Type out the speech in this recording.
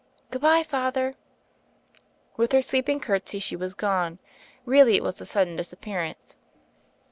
"Good bye, Father." With her sweeping curtsy she was gone. Really it was a sudden disappearance.